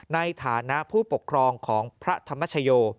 ในฐานะผู้ปกครองของพระธรรมชโย